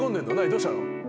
どうしたの？